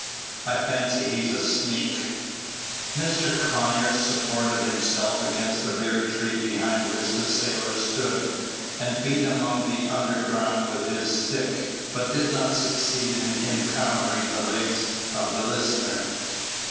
I fancy he's a sneak." Mr. Conyers supported himself against the very tree behind which the sailor stood, and beat among the undergrowth with his stick, but did not succeed in encountering the legs of the listener.